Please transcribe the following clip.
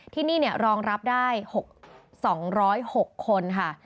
ที่นี่รองรับได้๒๐๖คนค่ะ